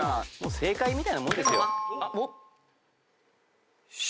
正解みたいなもんですよ。